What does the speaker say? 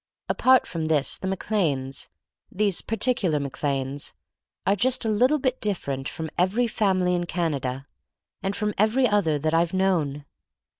Apart from this the Mac Lanes — these particular Mac Lanes — are just a little bit different from every family in Can ada, and from every other that Tve known.